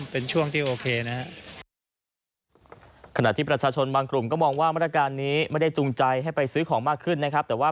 ผมว่าก็จะเป็นช่วงที่โอเคนะค่ะ